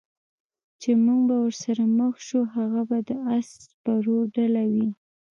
چې موږ به ورسره مخ شو، هغه به د اس سپرو ډله وي.